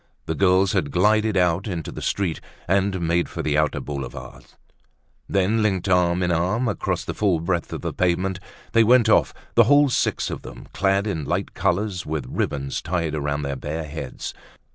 The girls had glided out into the street and made for the outer Boulevards. Then, linked arm in arm across the full breadth of the pavement, they went off, the whole six of them, clad in light colors, with ribbons tied around their bare heads.